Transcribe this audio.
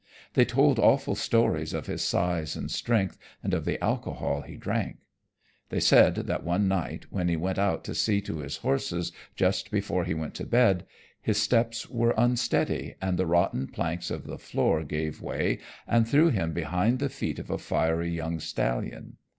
They told awful stories of his size and strength and of the alcohol he drank. They said that one night, when he went out to see to his horses just before he went to bed, his steps were unsteady and the rotten planks of the floor gave way and threw him behind the feet of a fiery young stallion.